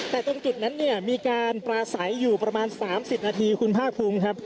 แต่ตรงจุดนั้นเนี่ยมีการปลาใสอยู่ประมาณ๓๐นาทีคุณภาคภูมิครับ